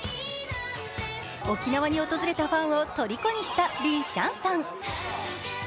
沖縄に訪れたファンをとりこにした、リン・シャンさん